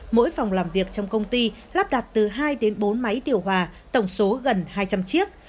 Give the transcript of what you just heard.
mỗi phòng làm việc trong công ty lắp đặt từ hai đến bốn máy điều hòa tổng số gần hai trăm linh chiếc